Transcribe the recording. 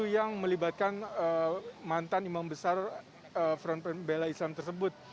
yang melibatkan mantan imam besar front pembela islam tersebut